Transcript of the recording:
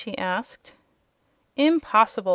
she asked. "Impossible!"